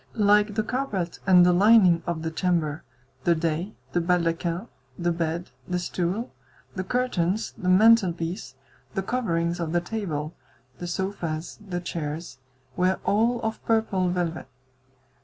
Like the carpet and the lining of the chamber, the dais, the baldaquin, the bed, the stool, the curtains, the mantelpiece, the coverings of the table, the sofas, the chairs, were all of purple velvet.